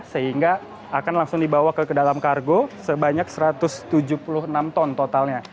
sehingga akan langsung dibawa ke dalam kargo sebanyak satu ratus tujuh puluh enam ton totalnya